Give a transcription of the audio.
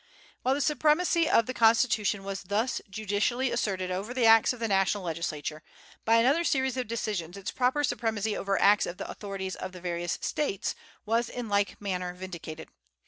While the supremacy of the Constitution was thus judicially asserted over the acts of the national legislature, by another series of decisions its proper supremacy over acts of the authorities of the various States was in like manner vindicated.